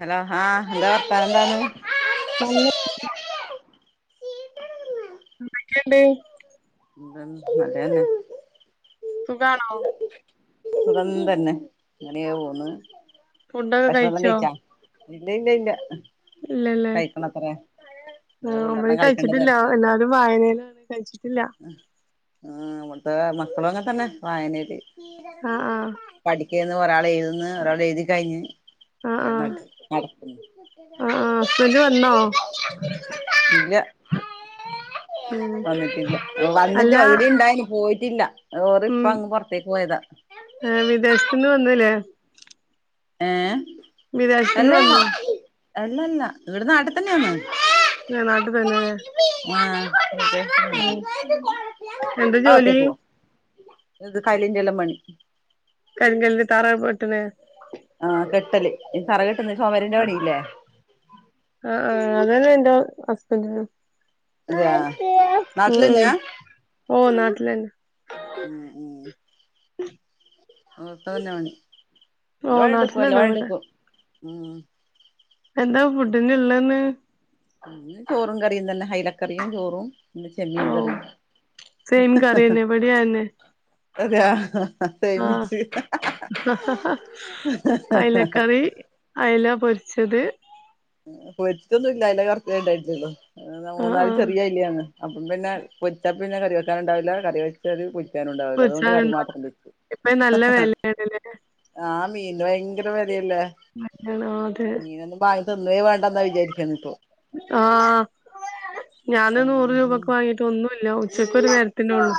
hello ഹാ എന്താ പറർത്താറെ എന്താണ് നല്ല ന്തക്കെണ്ട് എന്ത നല്ലന്നെ സുഖാണോ സുഖം തന്നെ അങ്ങനെ പോന്ന് ഫുഡൊക്കെ ഭക്ഷണം എല്ലാം കഴിച്ചോ കഴിച്ചാ ഇല്ല ഇല്ല ഇല്ല ഇല്ലല്ലേ കഴിക്കണത്ര ആ അമ്മ കഴിച്ചിട്ടില്ല എല്ലാവരും വായനേയിലാണ് കഴിച്ചിട്ട അവിടുത്തെ മക്കളും അങ്ങെ തന്നെ വായനരി ആ ആ പഠിക്കന്ന് ഒരാൾ എഴുതുന്നു ഒരാൾ എഴുതി കഴിഞ്ഞഞ് ആ ആ ഞൻ ആ ആ ഹസ്ബൻഡ് വന്നോ [unintelligible] ല്ല [inaudible] ഉം വന്നിട്ടില്ല വന്നിട്ട് അല്ല അവധി ഇണ്ടായി പോയിട്ടില്ല ഓറ് ഉം ഇപ്പൊ അങ്ങ് പുറത്തേക്ക് പോയതാ വിദേശത്ത്ന്ന് വന്നില്ലേ ഏ വിദേശത്ത്ന്ന് വന്നോ എള്ളല്ല ഇവിടെ നാട്ടിൽ തന്നെ ആന്നോ ഞാൻ നാട്ടി തന്നെ ആ മ് എന്താ ആ ജോലി അകത്തേക്ക് പോ ഇത് കൈലിൻ്റെല്ലാം പണി കരിങ്കല്ലിന് തറ പൊട്ടണെ ആ കെട്ടല് ഈ തറ കെട്ടുന്ന ചൊമരിൻ്റെ പണില്ലേ ആ ആ അതന്നെ ഇന്റെ ഹസ്ബന്റിനും അതെയ മ്ഉം നാട്ടിലന്നെയാ ഓ നാട്ടിലന്നെ ഉം ഉം ഓ നാട്ടിലന്നെ ഇവിടെ [unintelligible] എന്താ ഫുഡിന്നുള്ളന്ന് ഇന്ന് ചോറും കറിയും തന്നെ ഹൈലക്കറിയും ചോറും ഇന്ന് ഓ ചെമ്മീൻകറിയും സെയിം കറി തന്നെ അതാ ആ അയലക്കറി അയല പൊരി [unintelligible] പൊരിച്ചൊന്നും ല്ലാ അയിലേറെ [unintelligible] ആഹ് മൂന്നാല് ആഹ് ചെറിയ അയിലാണ് അപ്പം പിന്നെ പൊരിച്ചാ പിന്നെ കറി വെക്കാൻ ഉണ്ടാവില്ല കറി വെച്ചത് പൊ തേ നുണ്ടാവില്ല അതുകൊണ്ട് കറി പൊരിച്ചാണ്ടോ മാത്രം വെക്കും ഇപ്പ നല്ല വിലയാണല്ലേ ആ മീനിന് ഭയങ്കര വെലയല്ലേ വിലയാണ് ആഹ് അതെ മീനൊന്നും വാങ്ങി [unintelligible] വേണ്ടെന്നാ വിചാരിക്കണിപ്പോ ആഹ് ഞാന് നൂറ് രൂപക്ക് വാങ്ങീട്ട് ഒന്നുല്ല ഉച്ചക്ക് ഒരു നേരത്തിനൊള്ളു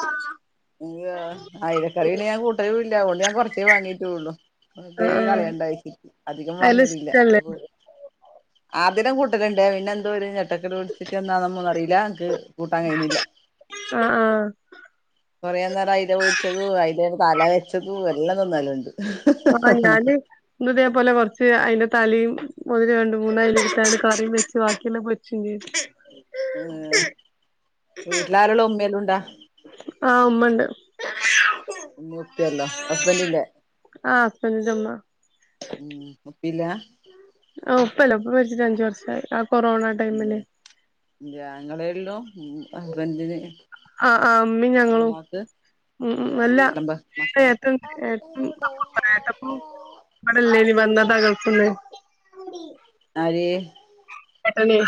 അയിലക്കറി പിന്നെ ഞാൻ കൂട്ടലും ഇല്ല അതുകൊണ്ട് ഞാൻ കുറച്ചേ വാങ്ങിട്ടോള്ളു വെറുതേ ആഹ് ആഹ് കളയണ്ടാകി അധികം അയല വാങ്ങലില്ല ഇഷ്ടല്ലേ ആദിടെ കൂട്ടരുണ്ട് പിന്നെ എന്തോഒരു [unintelligible] എന്താന്നൊന്നും അറിയില്ല ഇൻക് കൂട്ടാൻ കഴിയുന്നില്ല ആഹ് ആഹ് കൊറേ നേരം അയില പൊരിച്ചതു അയില തല വെച്ചതു എല്ലാം തിന്നലുണ്ട് ഇപ്പൊ ക്കൊ ഞാന് ഇന്നിതേ പോലെ കൊറച്ച് അയില തലയും [unintelligible] രണ്ട് മൂന്നാലെടുത്ത് കറിയും വെച്ച് ബാക്കിയെല്ലാം പൊരിച്ചും ചെയ്ത് [inaudible] വീട്ടിൽ ആരുള്ളു ഉമ്മ എല്ലുംണ്ടോ ആ ഉമ്മണ്ട് ഒന്നും ഓക്കെ അല്ല ഹസ്ബൻ്റിൻ്റെ ആഹ് ഹസ്ബന്റിന്റെ ഉം ഉപ്പില്ല ആ ഉപ്പല്ല ഉപ്പ മരിച്ചിട്ട് അഞ്ച് വർഷായി കൊറോണ ഇല്ല ടൈമില് ന്റെ ആങ്ങളെള്ളു ഹസ്ബന്റിന് ആ ആ അമ്മേം ഞങ്ങളും മ് മ് അല്ല വിളമ്പ് മക്കള് [unintelligible] ഏത്തപ്പോം ബെടെല്ലേടി വന്നത് അകത്ത്ന്ന് ആര് പെട്ടെന്ന്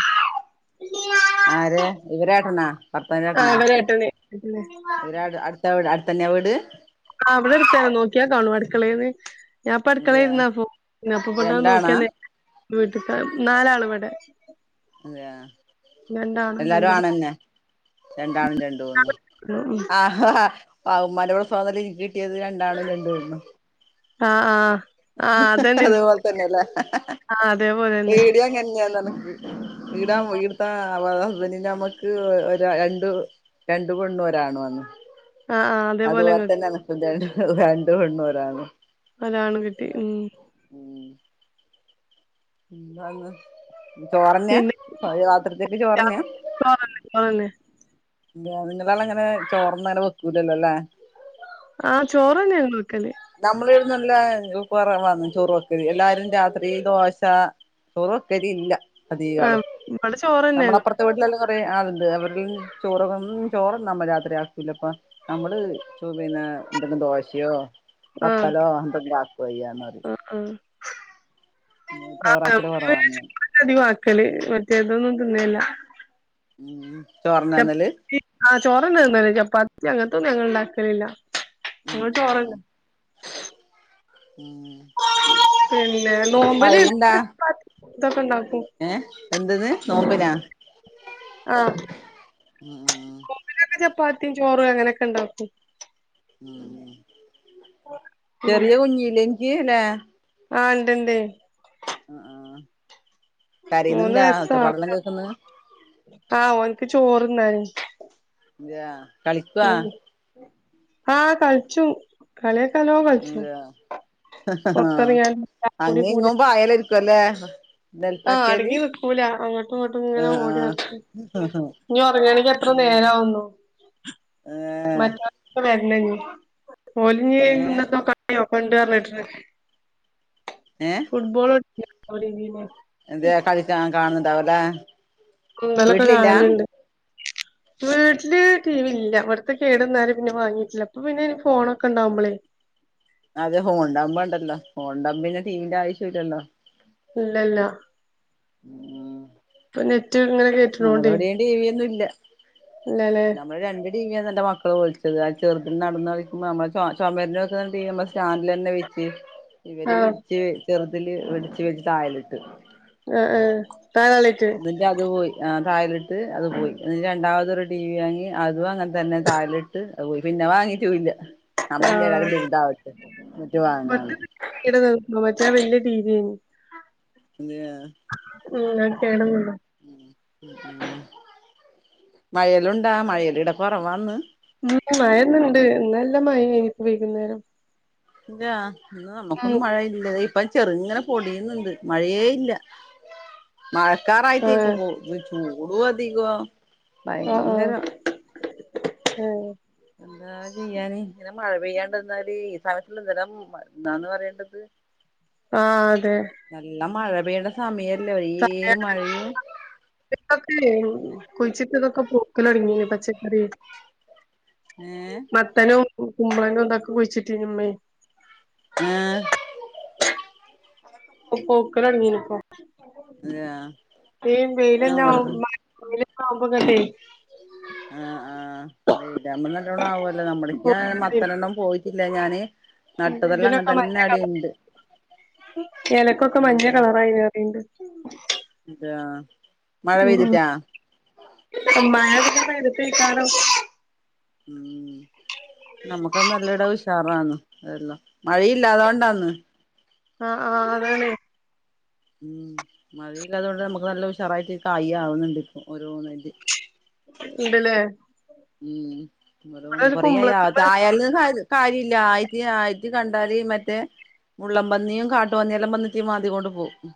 ആര് ഇവരാരുന്നോ ഭർത്താവിന്റെ ആ വീട്ടീന്നോ ഇവരെ ഏട്ടന് ആഹ് ഇവരേട്ടന് ഇവരാട് അട് എവിടെ അടുത്തന്നയാ വീട് ആ അവിടെ അടുത്ത നോക്കിയാ കാണും അടുക്കളേന്ന് ഞാപ്പോ അതെയാ അടുക്കലേരുന്ന അപ്പോ ഞാപ്പോ ബ്ട്ന്നണ്ട് രണ്ടാണാ നോക്കിയന്ന് വീട്ട്ത്ത നാലാള് ഇവടെ അതെയാ എല്ലാരും രണ്ട് ആണന്നെ രണ്ടാണും രണ്ട് പെണ്ണും ആഹഹാ [unintelligible] നിക്ക് കിട്ടിയത് രണ്ടാണോ രണ്ട വരുന്നു ആ ആ അതേപോലെ തന്നെല്ലേ ആഹ് അതേപോലെന്നെ ഈടിയങ്ങന്നെയന്നന വടാ വീടുത്തെ ഹസ്ബൻറിന്റെ നമ്മക്ക് ഒരു രണ്ടു രണ്ട് പെണ്ണു ഒരാണു ആണ് ആഹ് ആഹ് അതേപോലെ ഇങ്ങ അത്പോലത്തന്നനക്കും രണ്ട് പെണ്ണുഒരാണു അതാണ് കിട്ടി ഉം എന്തന്ന് ചോറന്നാ പിന്നെ രാത്രിത്തേക്ക് ചോറന്നാ രാത്രി ചോറന്നെ ചോറന്നെ ങ്ങടാടങ്ങനെ അങ്ങനെ ചോർന്ന അങ്ങനെ വെക്കൂലല്ലോ അല്ലേ ആ ചോറ്ന്നെയങ്ങ നമ്മള ഇടന്നല്ല കുറ വന്ന ചോറ വെക്ക എല്ലാരും രാത്രി ദോശ സോറോക്കരി ഇല്ല ആ അധീകളം ഇവിടെ ചോറന്നെ നമ്മള ഞങ്ങള് അപ്പുറത്തെ വീട്ടിലല്ലാം അ അതുണ്ട് അവരി ചോറൊന്നും ചോറ് നമ്മൾ രാത്രി ആക്കല അപ്പ നമ്മള് ചോ എന്തെങ്കിലും ദോശയോ ആ പത്തലോ എന്തെങ്കിലും ആ ആക്കുവായ്യാന്നറയു ആ ചോറാക്കല് കൊറവാങ്ങന കളി മറ്റേതൊന്നും തിന്നിയില്ല ഉം ചോർന്നാന്നല് ചപ്പാത്തി ആ ചോറ്ന്ന തന്നേ ചപ്പാത്തി അങ്ങനത്തൊന്നും ഞങ്ങൾ ഉണ്ടാക്കലില്ല ഉം ഞങ്ങള് ഉം ഉ ചോറന്നെ ഉം പിന്നെ നോമ്പല മഴയുണ്ടാ ഇതൊക്കെണ്ടാവും ഏ എന്തെന്ന് നോക്കനാ ആ ആ പാത്തിയും ചോറും അങ്ങനെയൊക്കെ ഉണ്ടാക്കും ചെറിയ കുഞ്ഞീലല എനിക്ക്ല്ലേ ആ ഉണ്ട്ണ്ട് ആ ആ മൂന്ന് വയസ ആ ഓനിക്ക് ചോറന്നും എയ കളിക്കുവാ ആഹ കളിച്ചു കളിയ ലോ കിച്ചു ഇല്ലാ പൊത്തറിയാനുംടിൂട കല ആഹ അടുങ്ങി നക്കൂല അങ്ങോട്ടും ഇങ്ങോട്ടും ഇങ്ങനെ ഓടി ആഹ് നടർത്തി ആഹ് ഇനി ഉറങ്ങയാണെങ്കിൽ എത്ര നേരവുന്നു ഏഹ് മറ്റ പി ഒലിഞ്ഞ ഏഹ് ഇന്നന്തോ കിയോ കൊണ്ട പറഞ്ഞിട്ട ഫുട്ബല എന്തയ കളിക്കാൻ കാണുന്നുണ്ടാവല്ല കുന്താലൊക്കെ കാണാലണ്ട് വീട്ടില് ടി വി ഇല്ല അവിടത്തെ കേടന്നാല പിന്നെ വാങ്ങീട്ടില്ല അപ്പൊ പിന്നെ എനിക്ക് ഫോണ ഒക്കെണ്ടാവകുമ്പോളേ ഉ അതെ ഹോൺണ്ടമ്പ ഉണ്ടല്ലോ ഹോൺണ്ടമ്പ പിന്നെ ടീമന്റെ ആവശ്യ ഇല്ലല്ലോ ഇല്ലല്ല ഉ ഇപ്പൊ നെറ്റ് ഇങ്ങനെ കേട്ടിണോണ്ടേ ടി വി ഒന്നും ഇല്ല നമ്മള് രണ്ടപടിങ്ങ എന്റെ മക്കള് വിളിച്ചത് അ ചെറു നടന്ന് കളിക്കുമ്പോ നമ്മ ചുമര വെക്കുന്നുണ്ട നമ്മ സ്റ്റാൻഡിൽ തന്നെ വെച്ച് ഇവര് ആഹ് വെടിച്ച് ചെറുതില് വെടിച്ച വെച്ച് തായലിട്ട് ആ ആ കാ എന്നിറെ അത് പോയി ആ തായലിട്ട് അത് പോയി അ രണ്ടാമതരു ടി വി വാങ്ങി അതും അങ്ങനെ തന്നെ താലിട്ട് അത്പയി പിന്നെ വാങ്ങിട്ടൂല്ല ആ പറഞ്ഞ എല്ലും ആഹ് ബിരുദാവച്ച എന്നിട്ട് വാങ്ങാണ് മമ്മറ്റാ വെിയ തീതിന് എന്ത കേടന്നതാ [unintelligible] മയലുണ്ടാ മയലിട പറവാന്ന് മ മഴന്നണ്ട് നല്ല മഴപ്പ വെയകുന്നേരം ഇല്ല ഇന്ന് നമ്മുക്കൊന്നും മഴയില്ലതേ ഇപ്പൊ ചെറുങ്ങനെ പൊടിയുന്നുണ്ട് മഴയേ ഇല്ല ആഹ് മഴക്കാറായിട്ടേക്കുമ്പോ ഇ ചൂടു അധികം ഭയങ്കര ഉഹ എന്താ ചെയെയ്യാന് ഇങ്ങനെ മഴ പെയ്യാണ്ടന്നാല് സത്തി എന്തെല്ലാം എന്താന്ന് പറയേണ്ടത് ആ അതെ വേണസാമിയർ സൊക്കെ കൊഴച്ചിട്ടക്കൊക്കെ പോക്കലടങ്ങ പ ച്ചെക്കറി [unintelligible] ഉം കുമ്പള എന്തൊക്കെ കുഴിച്ചിട്ടിമ്മേ ആഏ ഒപ്പൊക്കലണിയനപ്പ ആഹ് വെയിലന്നെ നമ്മടത് വെയില ആവുമ്പോ കട്ടെ ആ ആ വീരാമ്മന്ന എല്ലോണം ആവല്ലോ നമ്മളക്ക് പൂക്കള് മത്തനെണ്ണം പോയി ല്ല ഞാന് നട്ടതെല്ലാം അങ്ങനെ തന്നെ അടിുണ്ട് ലക്കൊക്കെ മഞ്ഞ കളറായി വേറെണ്ട് അത ഉ അ മഴ പിന്നന്നെ എടുപ്പക്കണോ ഉ നമ്മുക്കത് നല്ല ഇടാ വിഷാറാണ് അതല്ലോ മഴയില്ലാതൊണ്ടാന്ന് ആഹ് ആഹ അതാണ് ഉം മതിയില്ലാതുകൊണ്ട് നമുക്ക് നല്ല ഉഷറായിട്ട് കായ ആവുന്നുണ്ട് ഇപ്പൊ [unintelligible] ന്നി ഉണ്ടല്ലേ ഉം അവിടെ ഒന്ന് ഒരു കൊറ കുമ്പളത്തുമ്മെ ആയാല [unintelligible] കാര്യമില്ല ആയിത്തി ആയിത്തി കണ്ടാല് മറ്റേ മള്ളം പന്നിയും കാട്ടുപന്നിയെല്ലാം പന്നിട്ടേ മാന്ദി കൊണ്ട് പോവും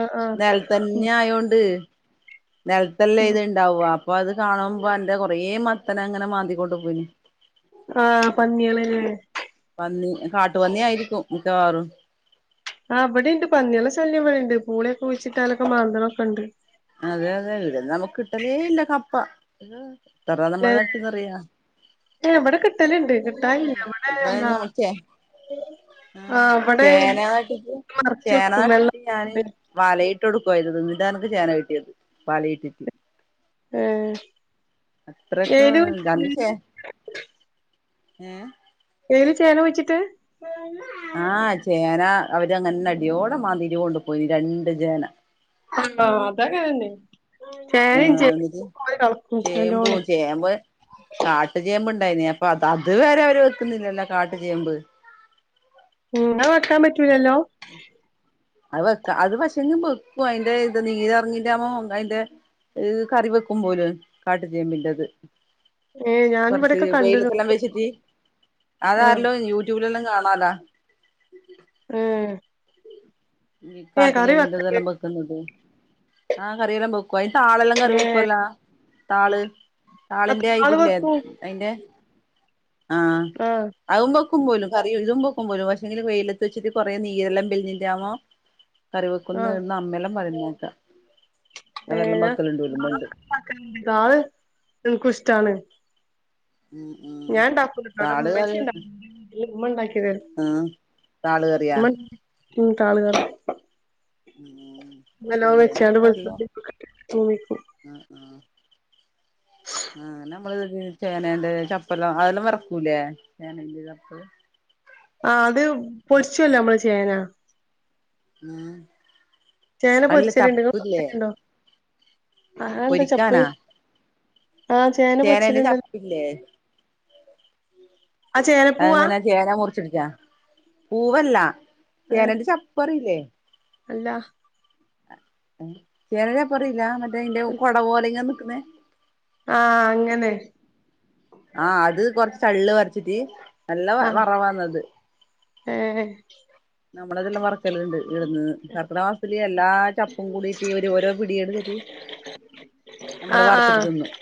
ആ ആ ഉം നരത്തന്നെ ആയോണ്ട് നിലത്തല്ല ഉം ഇത് ഇണ്ടാവവാ അപ്പൊ അത് കാണുമ്പോ എറെ കൊറേ മ അത്തനെ അങ്ങനെ മാന്തികോണ്ട്ു പോയിന് ആഹ് പന്നള പന്നി കാട്ടു പന്നിയ ആയിരിക്കും മിക്കവാേറും ആ അവിടെ ഉണ്ട് പന്നി ള ശല്യം ഇവിടെുണ്ട് പൂളയൊക്കെ കുഴിച്ചിട്ട് മാന്തലൊക്കെ മാന്ത്രമൊക്കെ ഉണ്ട് അതെ അതെ ഇവിടെന്ന് നമുക്ക് കിട്ടലേ ഇല്ല കപ്പ ഇത്രറ നമ്മള ല്ലേ നട്ട്ന്ന്റിയാ ഏ ഇവിടെ കിട്ടലുണ്ട് കിട്ടാനില്ല ഇവിടെ ഇ എന്താ ഞാൻ മുിച്ചേ ഉ ആ ഇവിടെ ചേനാട്ടി് മറിച്ച് കൊടുക്കും വെള്ളം ചേനാട്ടിട്ട് ഞാന് വലയിട്ട് ഇട്ട കൊടുക്കയത് നിടാനക്ക് ചോന കിട്ടിയത് പാലയിട്ടിട്ട് ഏ ഏല് അത്രക്കുംന്തന്നസേ ഉം [unintelligible] എതെങ്കിലും ചെയ്യാന വെച്ചിട്ട് അവര്ങ്ങനെ അടിയോടെ മാാന്തിരി കൊണ്ട്പോയി രണ്ട ജേന ആഹ അതൊക്കെ തന്നെ ആ എ ചേമ്പ നല്ലോണം ചേമ്പ് കാട്ടു ചേമ്പണ്ട് ണ്ടായി നിഅപ്പൊ അത് അത് വരെ അവര് വെക്കുന്നില്ലല്ല കാട്ട ചേമ്പ് ഉാ വറക്കാൻ പറ്റൂലല്ലോ [inaudible] അത് വെക്ക അത് പക്ഷെങ്കും വെക്കും അതിന്റെ ഇത് നീര് ഇറങ്ങിന്റെുമ്പോ അതിന്റെ ഹ്കറി വെക്കും പോലും കാട്ട് ചേമ്പിറ്റത് ഏ ഞാൻ കുറച്ച് ഇവിടെക്കെ കണ്ടിരുന്നു വെയിലത്തെല്ലാം വെച്ചിട്ട് അതാരല്ലോ യൂട്യൂബിലെല്ലാം കാണ അല ഏ ഈ കാട്ട് ചേമ്മി ഇതെല്ലാം വെക്കുന്നുണ്ട് ആഹ കറിയെല്ലാം വെക്കും [inaudible] അയ് താളെല്ലാം കറി വെക്കുവല്ലാ താള് താളിന്റെ ഇതില്ലേ വെക്കൂ അതിന്റെ ആ ആ ഔമ്പോ പക്ക പോോലും കറി ഇതും പൊക്കും പോലും പക്ഷെങ്കില വെയിലത്ത് വച്ചട്ട് കുറെ നീരെല്ലാം ബെിൻന്റെ ആവോ കറിവെക്കുന്ന് എന്നമ്മലം പറയുന്നേക്ക പണ്ട് ഏകനകാ ള്എനക്കും ഇഷ്ടാണ് ഉം ഞാൻ ഉണ്ടാക്കൂലട്ടോ ഇവിടെ താട് ക ഉമ്മച്ചി ള് ഉണ്ടാക്കും എന്റെ വീട്ടില് ഉമ്മ ഉണ്ടാക്കി തരും എ നാള് കേറിയാ ഉമ്മ ഉം താളുകറി ഉ നല്ലേയ്നാപ്പതി വെളുത്തുള്ളി ഒക്കെ ഇട്ടിട്ട് തൂമിക്കും കംഅആ ആ നം നമ്മ ചേനൻ്റെചപ്പല്ലാം അതെല്ലാം വിറക്കൂലേ ചേനന്റെ ചപ്പ ആ അത് പൊളിച്ചുല്ലോ നമ്മള് ചേന ഉം ന അല്ല പൊരിച്ചലണ്ട് നിങ്ങ ചപ്പില്ലേ പൊറച്ചുണ്ടോ ആ അഎന്താ ചപ്പ് ആ ചേന ചേനന്റെ പൊരിച്ചലുണ്ടല്ലോ ചപ്പില്ലേ ആ ചേനപ്പൂവാ അതങ്ങനെ ചേന മുറിച്ച ട് കാ പൂവല്ല ഏ ചേനന്റെ ചപ്പറില്ലേ അല്ല ചേന പറയില്ല മറ്റേ അതിന്റെ കുട പോലെ ഇങ്ങെ നിക്കുന്നേ ആഅങ്ങനെ [inaudible] ആഅത് കൊറച്ച് ചള്ള് വരച്ചിട്ട് നല്ല ആ വറവാന്നത് ഏ നമ്മളതല്ലാം വർ [inaudible] കല്ണ്ട് ഇട്ന്നത് കർക്കിടക മാസത്തില് എല്ലാ ചപ്പും കൂടിട്ട് ഓരോ പിടിയട്ത്തിട്ട് നമ്മള് വർത്തിട്ട് തിന്നും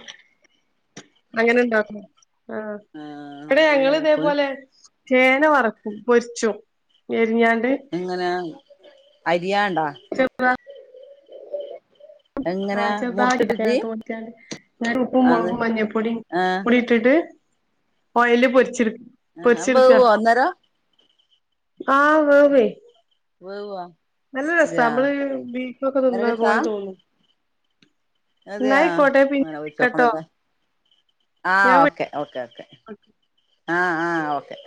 അങ്ങനണ്ടോ ആഹ് ആഎടെ ഞങ്ങ നമ്മളല്ല ചപ്പ് ളിതേപോലെ ചേന വറ്ക്കും പൊര്ച്ചും എങ്ങനാ വിയാണ്ടാ ചെ ആ എങ്ങനെ ചെർതായി മുറിച്ചിട്ടിട്ട് [unintelligible] നേരെ ഉപ്പും അത് മൊളകും മഞ്ഞ പൊടിം ആഹ് കുടി ട്ട്ട്ട് ഓയലില് പൊരിച്ചിട് ആ ബേവോ അന്നേരം ആ വേവ്വോയ് വേവോ നല്ല രസാ അതെയാ നമ്മള് ബീഫൊക്കെ തിന്ന് അന്നേരം ണെ രസാ പോലെ തോന്നും എന്നാ അതെയാ ആയിക്കോട്ടെ പിന്നെ അങ്ങനെ വിളിക്കാട്ടോ വെചോക്കണലെ ആ ഞാൻ വിളിക്കാം ഓക്കെ ഓക്കെ ഓക്കെ ആ ആ ഓക്കെ